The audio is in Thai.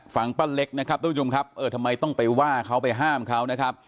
ป้าเล็กนะครับทุกผู้ชมครับเออทำไมต้องไปว่าเขาไปห้ามเขานะครับ